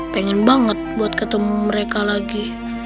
pengen banget buat ketemu mereka lagi